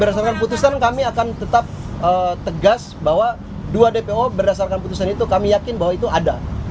berdasarkan putusan kami akan tetap tegas bahwa dua dpo berdasarkan putusan itu kami yakin bahwa itu ada